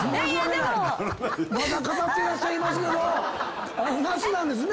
まだ語ってらっしゃいますけどナスなんですね。